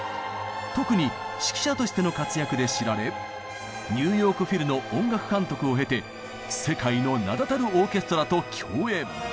特に指揮者としての活躍で知られニューヨーク・フィルの音楽監督を経て世界の名だたるオーケストラと共演。